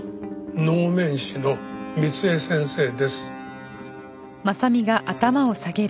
能面師の光枝先生です。